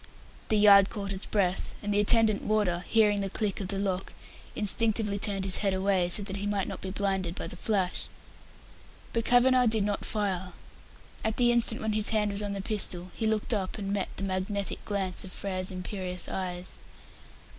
The yard caught its breath, and the attendant warder, hearing the click of the lock, instinctively turned his head away, so that he might not be blinded by the flash. But Kavanagh did not fire. At the instant when his hand was on the pistol, he looked up and met the magnetic glance of Frere's imperious eyes.